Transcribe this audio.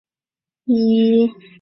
伊拉克的战争系数为三。